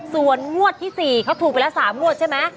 ส่วนงวดที่๔เขาถูกไปแล้ว๓งวดใช่ไหม